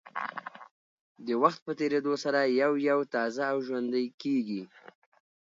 د وخت په تېرېدو سره یو یو تازه او ژوندۍ کېږي.